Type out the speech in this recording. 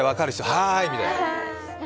はーい！みたいな。